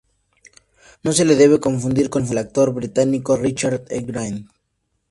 No se le debe confundir con el actor británico, Richard E. Grant.